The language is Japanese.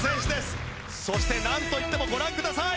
そしてなんといってもご覧ください！